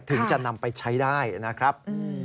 ถึงจะนำไปใช้ได้นะครับ